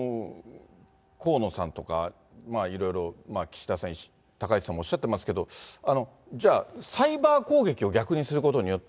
河野さんとか、いろいろ岸田さん、高市さんもおっしゃってますけど、じゃあ、サイバー攻撃を逆にすることによって、